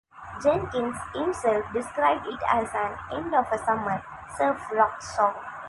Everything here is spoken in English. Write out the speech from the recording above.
Jenkins himself described it as an end of summer "surf rock" song.